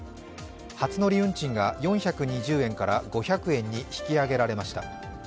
初乗り運賃が４２０円から５００円に引き上げられました。